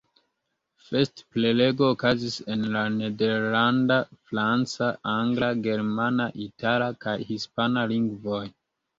Festprelego okazis en la nederlanda, franca, angla, germana, itala kaj hispana lingvoj.